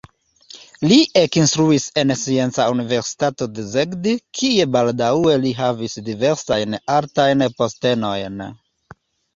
Li ekinstruis en Scienca Universitato de Szeged, kie baldaŭe li havis diversajn altajn postenojn.